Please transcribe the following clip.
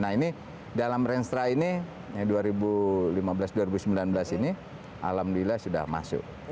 nah ini dalam range strike ini dua ribu lima belas dua ribu sembilan belas ini alhamdulillah sudah masuk